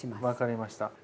分かりました。